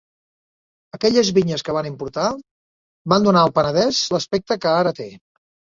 Aquelles vinyes que van importar van donar al Penedès l'aspecte que ara té.